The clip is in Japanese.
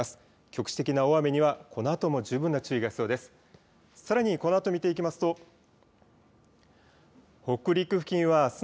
局地的な大雨には、このあとも十分な注意が必要です。